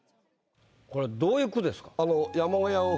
これどういう句ですか？